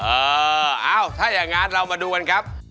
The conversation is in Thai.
เอ้าถ้าอย่างนั้นเรามาดูกันครับ